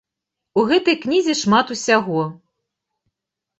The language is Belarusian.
У гэтай кнізе шмат усяго.